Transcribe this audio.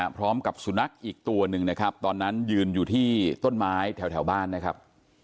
พร้อมกับสุนัขอีกตัวหนึ่งนะครับตอนนั้นยืนอยู่ที่ต้นไม้แถวบ้านนะครับ